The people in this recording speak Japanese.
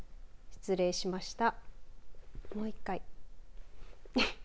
失礼しました。